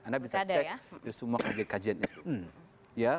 anda bisa cek di semua kajian itu